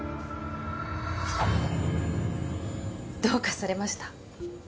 どうかされました？